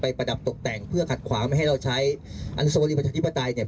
ประดับตกแต่งเพื่อขัดขวางไม่ให้เราใช้อนุสวรีประชาธิปไตยเนี่ย